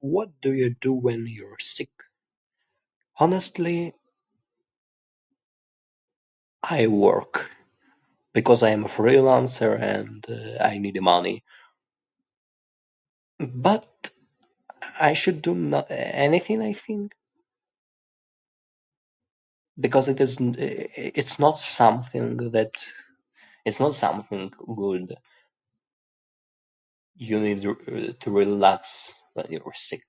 What do you do when you're sick? Honestly, I work. Because I am a freelancer and, uh, I need the money. But, I should do no- anything I think. Because it isn't it's not something that it's not something good. You need to to relax when you are sick.